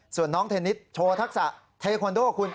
ส่วนน้องเทนนิสโชว์ทักษะเทคอนโดคุณ